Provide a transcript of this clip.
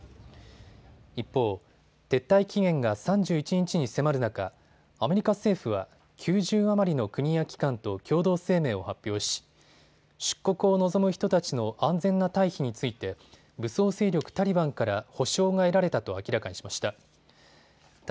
一方、撤退期限が３１日に迫る中、アメリカ政府は９０余りの国や機関と共同声明を発表し、出国を望む人たちの安全な退避について武装勢力タリバンから保証が得られたと明らかにしました。